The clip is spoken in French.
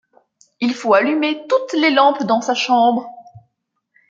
Il faut allumer toutes les lampes dans sa chambre.